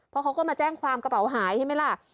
เพราะเขาก็มาแจ้งความกระเป๋าหายใช่ไหมล่ะ